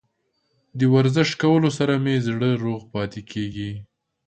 د ورزش کولو سره مې زړه روغ پاتې کیږي.